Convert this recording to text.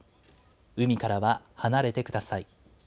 海からは離れてください。